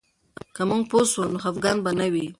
که موږ پوه سو، نو خفګان به نه وي.